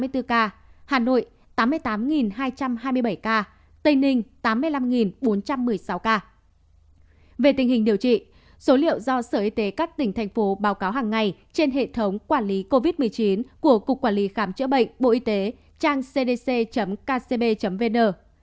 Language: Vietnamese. về tình hình điều trị số liệu do sở y tế các tỉnh thành phố báo cáo hàng ngày trên hệ thống quản lý covid một mươi chín của cục quản lý khám chữa bệnh bộ y tế trang cdc kcb vn